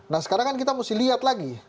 nah sekarang kan kita mesti lihat lagi